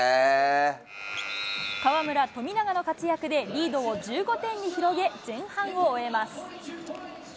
河村、富永の活躍で、リードを１５点に広げ、前半を終えます。